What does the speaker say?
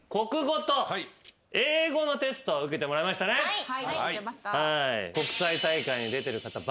はい。